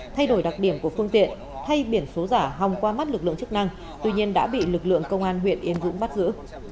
thay đổi đặc điểm của phương tiện hay biển số giả hòng qua mắt lực lượng chức năng tuy nhiên đã bị lực lượng công an huyện yên dũng bắt giữ